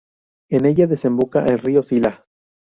En ella desemboca el río Sila.